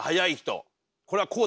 これはこうだ